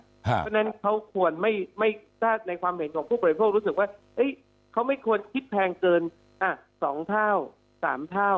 เพราะฉะนั้นเขาควรถ้าในความเห็นของผู้บริโภครู้สึกว่าเขาไม่ควรคิดแพงเกิน๒เท่า๓เท่า